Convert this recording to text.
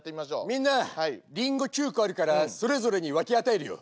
「みんなリンゴ９個あるからそれぞれに分け与えるよ」。